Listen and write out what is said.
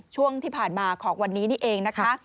ช่วงที่ผ่านมาของวันนี้นี่เองนะคะ